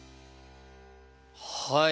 はい。